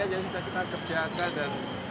yang sudah kita kerjakan